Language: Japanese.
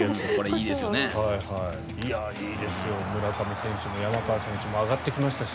村上選手も山川選手も上がってきましたし。